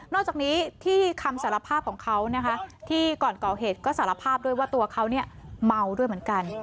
อกจากนี้ที่คำสารภาพของเขานะคะที่ก่อนก่อเหตุก็สารภาพด้วยว่าตัวเขาเมาด้วยเหมือนกัน